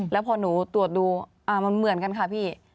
แล้วพอหนูตรวจดูมันเหมือนกันค่ะพี่